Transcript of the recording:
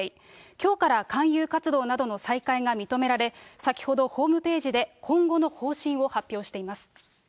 きょうから勧誘活動などの再開が認められ、先ほどホームページで今後の方針を発表しています。